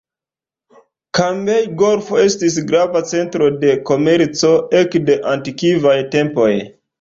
Kambej-Golfo estis grava centro de komerco ekde antikvaj tempoj.